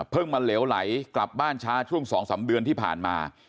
มาเหลวไหลกลับบ้านช้าช่วง๒๓เดือนที่ผ่านมา